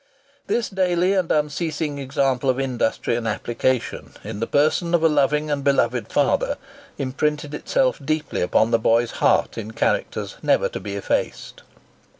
This daily and unceasing example of industry and application, in the person of a loving and beloved father, imprinted itself deeply upon the boy's heart in characters never to be effaced.